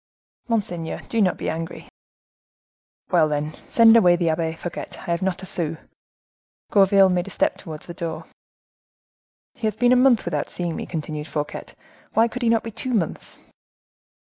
"Monseigneur, do not be angry." "Well, then, send away the Abbe Fouquet; I have not a sou." Gourville made a step towards the door. "He has been a month without seeing me," continued Fouquet, "why could he not be two months?"